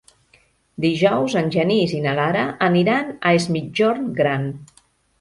Dijous en Genís i na Lara aniran a Es Migjorn Gran.